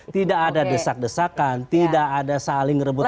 tidak ada desak desakan tidak ada saling rebutan